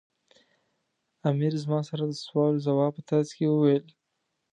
امیر زما سره د سوال و ځواب په ترڅ کې وویل.